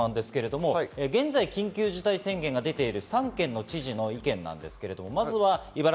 現在、緊急事態宣言が出ている３県の知事の意見です。